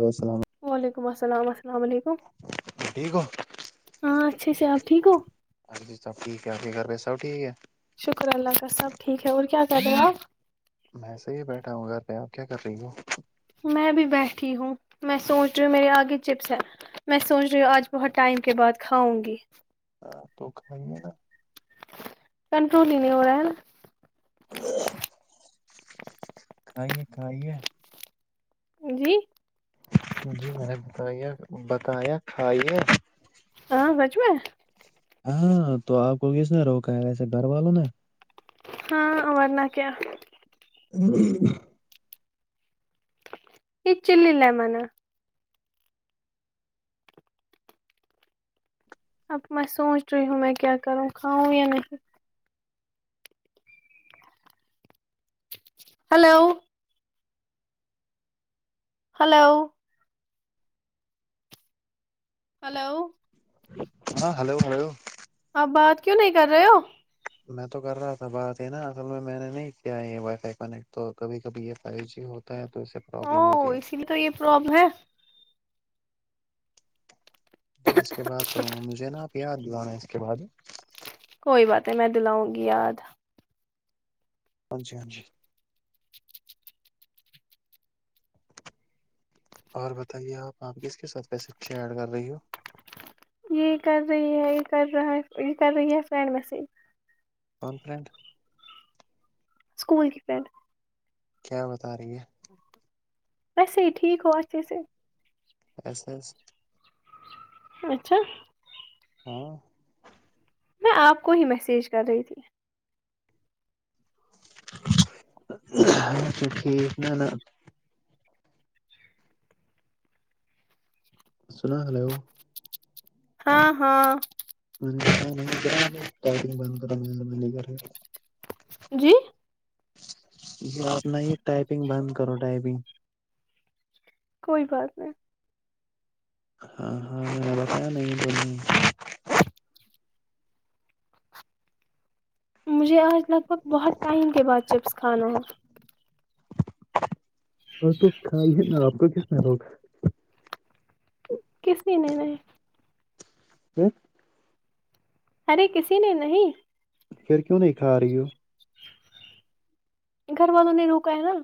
ل السلام وعلیکم السلام السلام علیکم ٹھیک ہو ہاں اچھے سے آپ ٹھیک ہو ار جی سب ٹھیک ہے کیا کر رہے سب ٹھیک ہے شکر اللہ کا سب ٹھیک ہے اور کیا کرہ رہے ہو آپ میںسے ہی بیٹھا ہوں گھر پہ آپ کیا کر رہی ہو میں بھی بیٹھی ہوں میں سوچ رہی ہوں میرے آگے چپس ہے میں سوچ رہی ہوں آج بہت ٹائم کے بعد کھاؤں گی ہاں تو کھائیں گے نا کنٹرول ہی نہیں ہو رہا ہے کھائیے کھائیے جی جی میں نے بت بتایا کھائیے ہاں بچ میںا ہاں تو آپ کو کس نے روکا ہے ویسے گھر والوں نے ہاں ہمار ن کیا ا یہ چل ل مانا اب میں سوچ رہی ہوں میں کیا کروں کھاؤں یا نہیں ہلو ہلو ہلو ہاں ہلو ہو اپ بات کیوں نہیں کر رہے ہو میں تو کر رہا تھا بات ہے نا اصل میں میں نے نہیں کیا یہ وائی فائی کنیکٹ تو کبھی کبھی یہ فائیو جی ہو تو س او اسی لیے تو یہ پرابلم ہے جی اس کے بعد کروں گا مجھے نا آپ یاد دلانا اس کے بعد کوئی بات ہے میں دلاؤں گی یاد ہاں جی ہاں جی اور بتائیے آپ آپ کس کس حات کے سچے ایڈ کر رہی ہو یہ کر رہے یہ یہ کر رہ یہ کر رہا یہ فرینڈ میسیج اورن فنٹ اسکول کے فرینڈ کیا بتا رہی ہے وسے ہی ٹھیک ہو اچھے سے اس اچھا ہاں میں آپ کو ہی میسیج کر رہی تھی اچا ٹھیک ن نا سنا ہلو ہاں ہاں م ب کر میں م جی یہ اپنا ہی ٹائپنگ بند کرو ٹائپنگ کوئی بات نہیں ہاں ہاں میں نے بتایا نہیں بول مجھے آج لگ بھگ بہت ٹائم کے بعد چپس کھانا ہو اور تو کھائی ہے نا آپ کا کتنا ہوگا کسی نے نہیں جی ارے کسی نے نہیں پھر کیوں نہیں کھا رہی ہو گھر والوں نے روکا ہے نا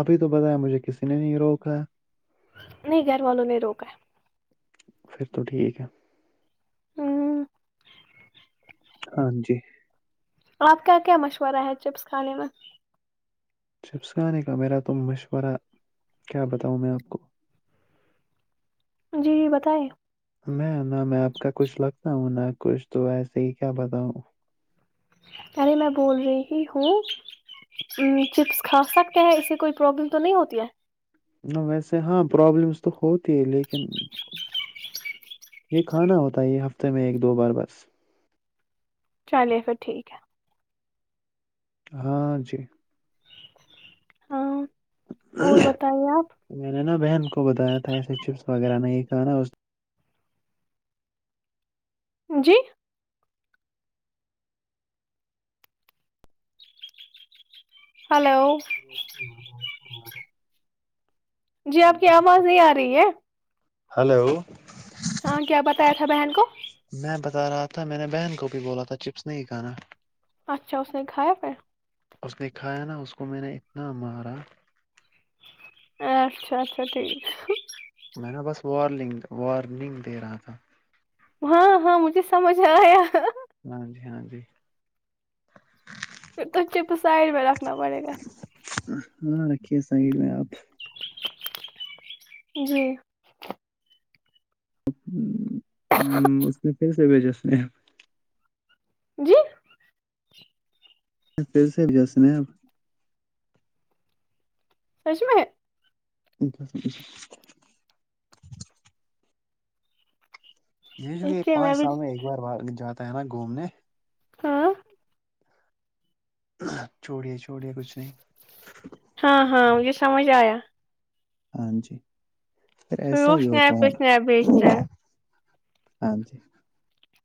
ابھی تو بتایا مجھے کسی نے نہیں روکا ہے نہیں گھر والوں نے روکا پھر تو ٹھیک ہے ہوں ہاں جی آپ کیا کیا مشورہ ہے چپس کھانے میں چپس کانے کا میرا تم مشورہ کیا بتاؤ میں آپ کو جی بتائیے میں نہ میں آپ کا کچھ لگتا ہوں ن کچھ تو ایسے ہی کیا بتاؤں ارے میں بول رہی ہوں چپس کھا سکتے ہیں اس سے کوئی پرابلم تو نہیں ہوتی ہے ویسے ہاں پروابلمس تو ہوتی ہے لیکن یہ کھانا ہوتا ہے یہ ہفتے میں ایک دو بار بس چلیے پھر ٹھیک ہے ہاں جی ہاں اور بتائیے آپ میں نے نا بہن کو بتایا تھا ایسے چپس وغیرہ نہیں ک نا جی ہلو ارار جی آپ کی آواز نہیں آ رہی ہے ہلو ہاں کیا بتایا تھا بہن کو میں بتا رہا تھا میں نے بہن کو بھی بولا تھا چپس نہیں کھانا اچھا اس نے خیا پ اس نے کایا نا اس کو میں نے اتنا مارا اچھا اچھا ٹھیک میں نےا بس وارننگ وارننگ دے رہا تھا ہاں ہاں مجھے سمجھ آیا ہاں جی ہاں جی پھر بچے کو سائڈ میں رکھنا پڑے گا ہاں رکھیے سائڈ میں آپ جی [unintelligible] اس میں کیسے بھیجس ہیں ہیںپ جی پھر سے بھی سنے آپ سش میں اٹھ اھ [unintelligible] یہ چہ ایک پانچ بھی سال میں ایک بار جاتا ہے نا گھومنے ہاں چھوڑے چھوڑے کچھ نہیں ہاں ہاں مجھے سمجھ آیا ہاں جی پھر ایسا وہ ہی ہوتا اسنیپ پہ ہے اسنیپ بھیجتا ہے ہاں جی [inaudible]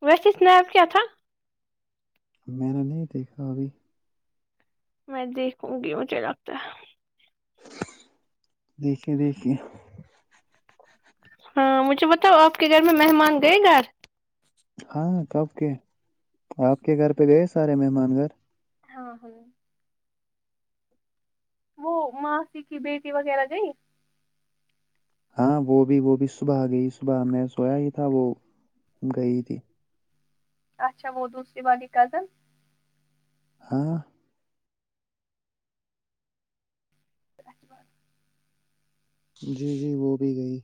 ویسے سنیپ کیا تھا میں نے نہیں دیکھا ابھی میں دیکھوں گی مجھے لگتا ہے دیکھیے دیکھیے ہاں مجھے بتاؤ آپ کے گھر میں مہمان گئے گھر ہاں کب کے آپ کے گھر پہ گئے سارے مہمان گھر ہاں ہاں وہ ماسیی کی بیٹی وغیرہ گئی ہاں وہ بھی وہ بھی صبح گئی صبح میں سویا ہی تھا وہ گئی تھی اچھا وہ دوسری والی کزن ہاں [inaudible] جی جی وہ بھی گئی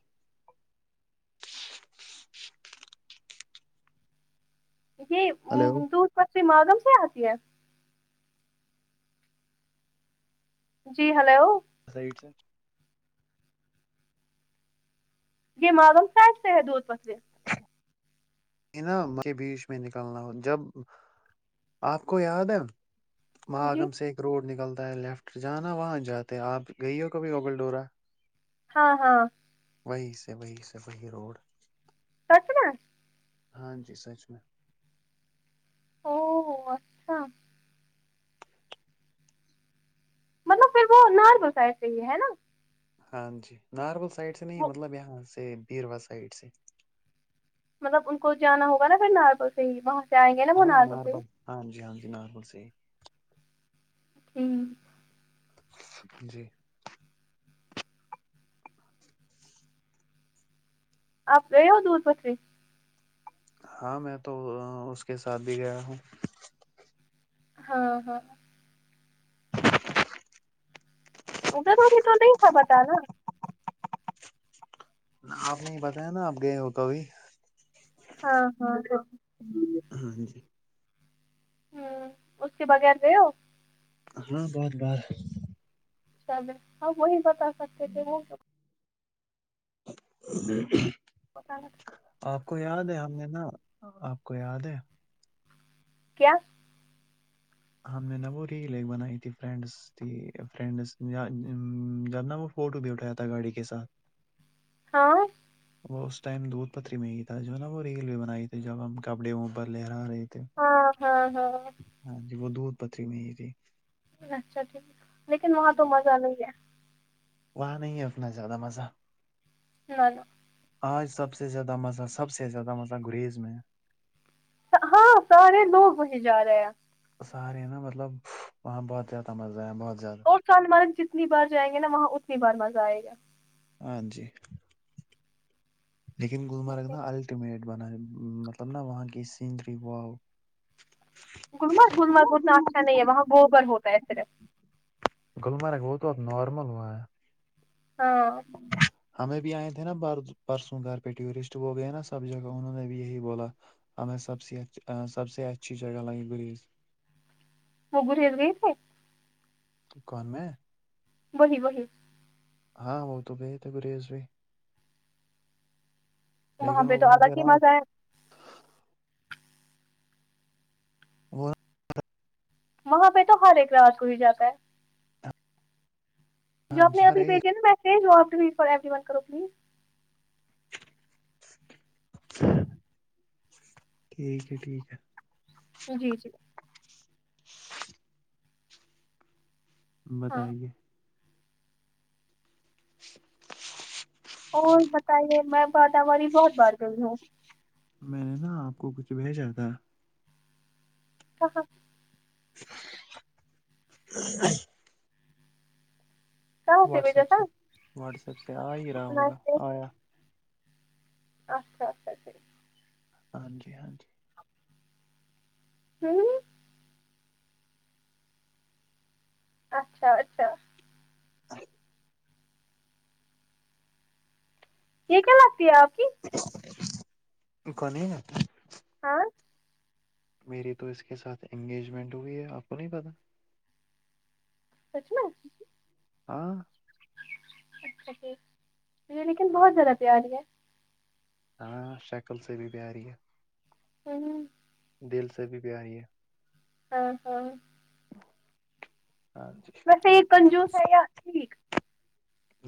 یہ ہلو م، دودھ پتھری مآگم سے آتی ہے جی ہلو [unintelligible] یہ ماگم ساید سے ہے دودھ پتھری انام کے بیچ میں نکلنا ہو جب آپ کو یاد ہے جی ماگم سے ایک روڈ نکلتا ہے لیفٹ جانا وہاں جاتے آپ گئی ہو کبھی ببل ڈورا ہاں ہاں وہی سے وہی سے وہی روڈ سچ میں ہاں جی سچ میں او اچھا مطلب پھر وہ ناربل سائڈ سے ہی ہے ہے نا ہاں جی ناربول سائڈ سے نہیں وہ مطلب یہاں سے بییروا سائڈ سے مطلب ان کو جانا ہوگا نا پھر ناربل سے ہی وہاں سے آئیں گے نا وہ ہاں سے ہی ناربل ہاں جی ہاں جی ناربل سے ہی ہمم جی آپ گیے ہو دور پتری ہاں میں تو اس کے ساتھ بھی گیا ہوں ہاں ہاں [unintelligible] آپ نے ہی بتایا نا آپ گئے ہو کبھی ہاں ہاں ہاں ہاں جی ہمم اس کے بغیر گیے ہو ہاں بہت بار ہم وہی بتا سکتے تھے وہ [inaudible] [unintelligible] آپ کو یاد ہے ہم نے نا آپ کو یاد ہے کیا ہم نے نا وہ ریل ایک بنائی تھی فرینڈس فرینڈس جبنا وہ فوٹو بھی اٹھایا تھا گاڑی کے ساتھ ہاں وہ اس ٹائم دودھ پتری میں ہی تھا جو نا وہ ریل بھی بنائی تھی جب ہم کپڑے اوپر لہرا رہے تھے ہاں ہاں ہاں ہاں جی وہ دودھ پتری میں ہی تھی اچھا ٹھیک ہے لیکن وہاں تو مزہ نہیں ہے وہاں نہیں ہے اتنا زیادہ مزہ نہ آج سب سے زیادہ مزہ سب سے زیادہ مزہ گریز میں ہے ہاں سارے لوگ وہیں جا رہے ہیں سارے نا مطلب وہاں بہت زیادہ مزہ ہے بہت زیادہ اور سون مارگ جتنی بار جائیں گے نا وہاں اتنی بار مزہ آئے گا ہاں جی لیکن گمرگ اوکے، نا الٹیمیٹ بنا مطلب نا وہاں کی سینری وؤ گمرگ گلمرگ ہونا اچھا نہیں ہے وہاں گوبر ہوتا ہے صرف گللمرگ ووت ات نارمل وہ ہاں ہمیں بھی آئے تھے نا ب پرسوں گھر پہ ٹورسٹ وہ گئے نا سب جگہ انہوں نے بھی یہی بولا ہمیں سب سے سب سے اچھی جگہ لگی گریز وہگر ایر گے کون میں بہی بہی ہاں وہ تو بت گرییسو وہاں لیکن پہ وہ تو الگ ہی رات مزہ ہے وہ وہاں پہ تو ہر ایک رات کو ہی جاتا ہے جو ہاں آپ نے جی ابھی ارے بھیجے نا ویسج آپ فوری ون کرو پلیز اچھا ٹھیک ہے ٹھیک ہے جی جی ہاں بتائیے اور بتائیے میں باتاماری بہت بار گئی ہوں میں نے نا آپ کو کچھ بھیجا تھا ہاں ہاں چ کہاں بھیجا واٹسپ سے واٹسپ سے آ ہی رہا ہوگا تھا آیا اچھا اچھا جی ہاں جی ہاں جی ہوں اچھا اچھا ا یہ کیا لگتی ہے آپ کی کونی نا ہاں میری تو اس کے ساتھ انگیجمنٹ ہوئی ہے آپ کو نہیں پتہ سچ میںا ہاں اچھا جٹھیک م لیکن بہت زیادہ پیاری ہے ہاں شکل صحب بھی بیاری یہ ا دل سے بھی پیاری ہے ہاں ہاں ہاں جی ویسے یہ کنجوس ہے یا ٹھیک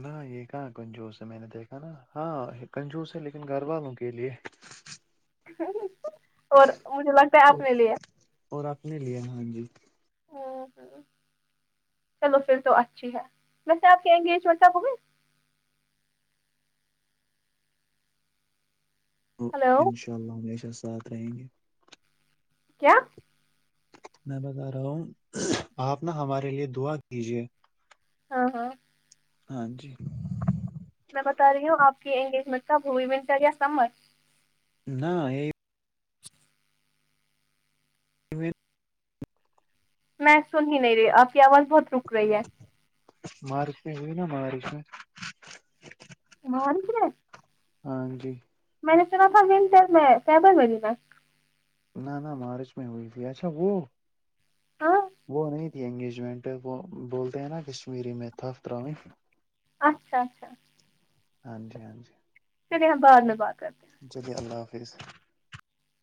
نہ یہ کہاں کنجوس ہے میں نے دیکھا نا ہاں کنجوس ہے لیکن گھر والوں کے لیے اور مجھے لگتا ہے اور اپنے لیے اور اپنے لیے ہاں جی ہ ہ چلو پھر تو اچھی ہے ویسے آپ کے انگیجمنٹبئے تو ہلو انشاء اللہ ہمیشہ ساتھ رہیں گے کیا میں بتا رہا ہوں آپ نا ہمارے لیے دعا کیجیے ہاں ہاں ہاں جی میں بتا رہی ہوں آپ کی انگیجمنٹ کا ہوی ونٹر یا سمر نہ یہ و میں سن ہی نہیں رہی آ کی آواز بہت رک رہی ہے ماریس میں جو نا ماریس میں ن منسے ہاں جی میں نے سنا تھا ولٹل میں بر میں لینا نہ نہ مارچ میں ہوئی تھی اچھا وہ ہاں وہ نہیں یہ انگیجمنٹ ہے وہ بولتے ہیں نا کشمیری میں تھپر اچھا ہاں جی ہاں جی چلیے ہم بعد میں بعغت جلیے اللہ حافظ